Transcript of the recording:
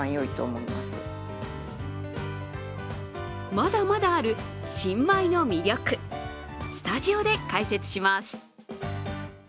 まだまだある新米の魅力、スタジオで解説します。